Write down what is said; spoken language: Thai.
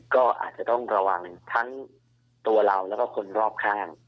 ก็อาจจะต้องระวังทั้งตัวเราแล้วก็คนรอบข้าง